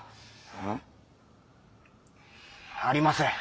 うん？ありません。